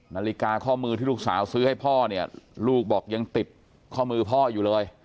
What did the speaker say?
นาฬิกาข้อมือที่ลูกสาวซื้อให้พ่อเนี่ยลูกบอกยังติดข้อมือพ่ออยู่เลย